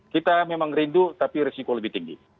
kita memang rindu tapi risiko lebih tinggi